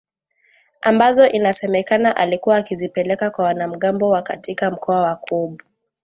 ambazo inasemekana alikuwa akizipeleka kwa wanamgambo wa katika mkoa wa Kobu